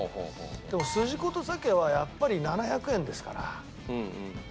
でもすじことさけはやっぱり７００円ですから。